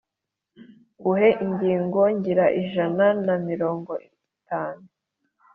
Nguhe ingingo ngire ijana na mirongo itanu